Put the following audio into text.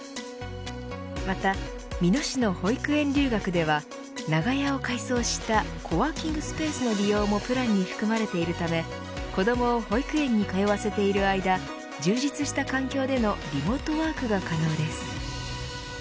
また、美濃市の保育園留学では長屋を改装したコワーキングスペースの利用もプランに含まれているため子どもを保育園に通わせている間充実した環境でのリモートワークが可能です。